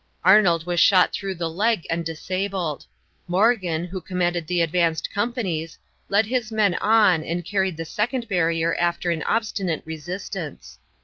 Arnold was shot through the leg and disabled. Morgan, who commanded the advanced companies, led his men on and carried the second barrier after an obstinate resistance.